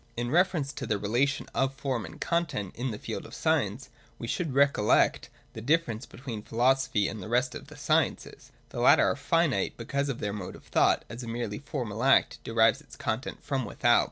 In reference to the relation of form and content in the field of science, we should recollect the difference between philosophy and the rest of the sciences. The latter are finite, because their mode of thought, as a merely formal act, de rives its content from without.